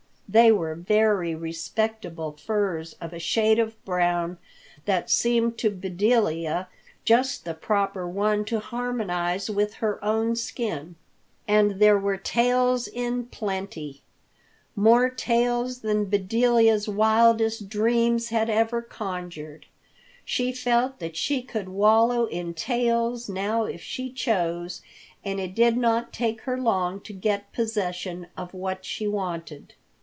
They were very respectable furs of a shade of brown that seemed to Bedelia just the proper one to harmonize with her own skin. And there were tails in plenty, more tails than Bedelia's wildest dreams had ever conjured. She felt that she could wallow in tails now if she chose, and it did not take her long to get possession of what she wanted.